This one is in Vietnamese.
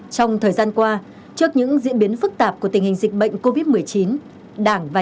trong thời gian qua trước những diễn biến phức tạp của tình hình dịch bệnh covid một mươi chín